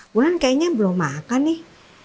bulan kayaknya belum makan nih